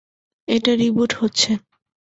এটা রিবুট হচ্ছে।